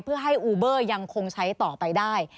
เพื่อให้อูเบอร์ยังคงใช้ต่อไปได้